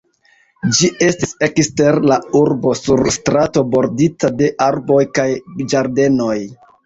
Ĝi estis ekster la urbo sur strato bordita de arboj kaj ĝardenoj.